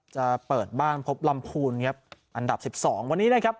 จะเปิดบ้านพบลำพูนครับอันดับสิบสองวันนี้นะครับ